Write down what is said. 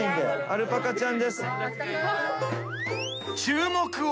アルパカちゃんです。